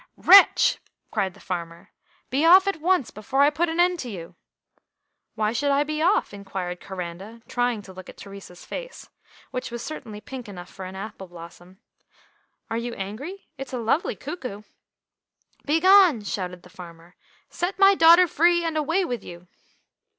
"Wretch!" cried the farmer. "Be off at once before I put an end to you." "Why should I be off?" inquired Coranda, trying to look at Theresa's face, which was certainly pink enough for an apple blossom. "Are you angry? It's a lovely cuckoo." "Begone!" shouted the farmer. "Set my daughter free, and away with you!"